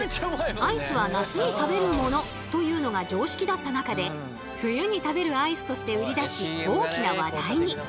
「アイスは夏に食べるもの」というのが常識だった中で「冬に食べるアイス」として売り出し大きな話題に。